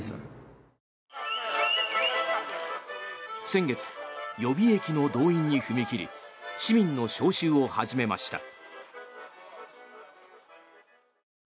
先月、予備役の動員に踏み切り市民の招集を始めました。